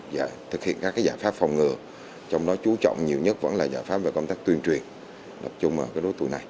giải pháp phòng ngừa trong đó chú trọng nhiều nhất vẫn là giải pháp về công tác tuyên truyền lập chung ở đối tụi này